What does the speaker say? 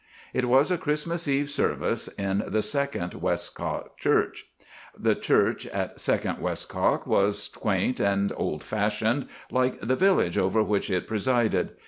"It was a Christmas Eve service in the Second Westcock Church. "The church at Second Westcock was quaint and old fashioned, like the village over which it presided.